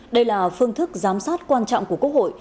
đây là phương thức giám sát quan trọng của quốc hội